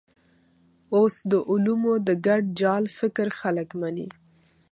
اوس د علومو د ګډ جال فکر خلک مني.